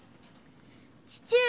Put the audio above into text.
父上！